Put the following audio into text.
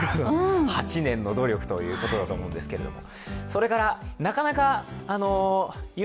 ８年の努力ということだと思うんですけれども。